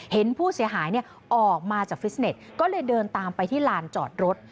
เห็นผู้เสียหายออกมาจากฟิสเน็ตก็เลยเดินตามไปที่ลานจอดรถ